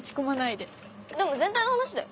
でも全体の話だよ？